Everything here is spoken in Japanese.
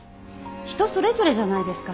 人それぞれじゃないですか。